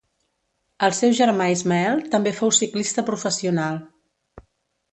El seu germà Ismael també fou ciclista professional.